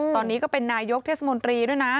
ตอนนี้ก็เป็นนายกเทศมนตรีด้วยนะ